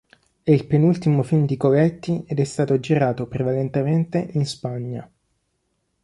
È il penultimo film di Coletti ed è stato girato prevalentemente in Spagna.